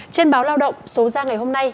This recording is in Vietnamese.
trên báo lao động số ra ngày hôm nay